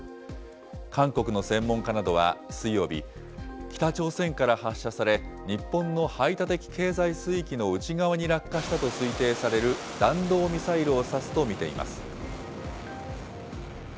韓国の専門家などは水曜日、北朝鮮から発射され、日本の排他的経済水域の内側に落下したと推定される弾道ミサイルを指すと見ています。